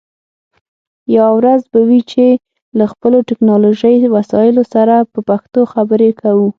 یوه ورځ به وي چې له خپلو ټکنالوژی وسایلو سره په پښتو خبرې کوو